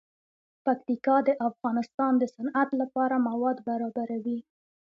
پکتیکا د افغانستان د صنعت لپاره مواد برابروي.